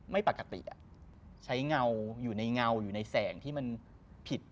ไม่ปกติใช้เงาอยู่ในเงาอยู่ในแสงที่มันผิด